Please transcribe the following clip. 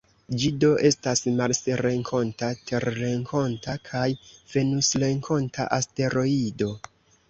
Ĝi do estas marsrenkonta, terrenkonta kaj venusrenkonta asteroido.